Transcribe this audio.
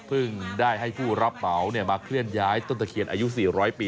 ได้ให้ผู้รับเหมามาเคลื่อนย้ายต้นตะเคียนอายุ๔๐๐ปี